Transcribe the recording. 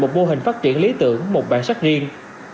một mô hình phát triển lý tưởng một bản sắc riêng